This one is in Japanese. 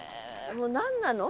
もう何なの？